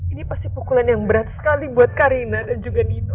ini pasti pukulan yang berat sekali buat karina dan juga dino